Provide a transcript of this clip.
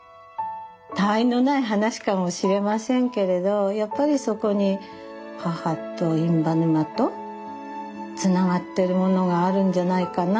たわいのない話かもしれませんけれどやっぱりそこに母と印旛沼とつながってるものがあるんじゃないかな。